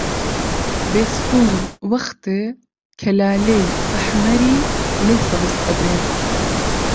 بێستوون وەختێ کە لالەی ئەحمەری لێ سەوز ئەبێ